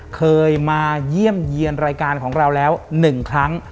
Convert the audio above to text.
เคยมาเยี่ยมเยี่ยนรายการของเราแล้ว๑ครั้ง